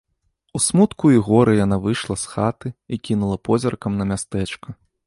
У смутку і горы яна выйшла з хаты і кінула позіркам на мястэчка.